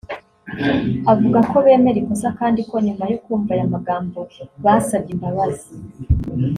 avuga ko bemera ikosa kandi ko nyuma yo kumva aya magambo basabye imbabazi